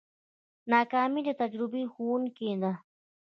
ناکامي د تجربې ښوونکې ده.